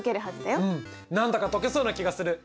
うん何だか解けそうな気がする。